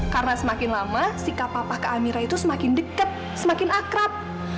karena semakin lama sikap papa ke amira itu semakin deket semakin akrab